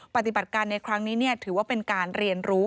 ปฏิบัติการในครั้งนี้ถือว่าเป็นการเรียนรู้